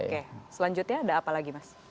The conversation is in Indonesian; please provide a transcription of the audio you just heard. oke selanjutnya ada apa lagi mas